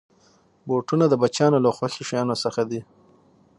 بوټونه د بچیانو له خوښې شيانو څخه دي.